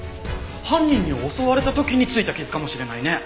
犯人に襲われた時についた傷かもしれないね。